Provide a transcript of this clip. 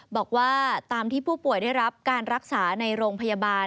บอกว่าตามที่ผู้ป่วยได้รับการรักษาในโรงพยาบาล